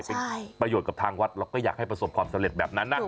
เป็นประโยชน์กับทางวัดเราก็อยากให้ประสบความสำเร็จแบบนั้นนะ